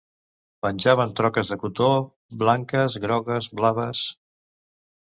Penjaven troques de cotó, blanques, grogues, blaves...